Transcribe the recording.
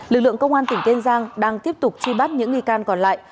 lực lượng công an tp hcm đang tiếp tục truy bắt những người can còn lại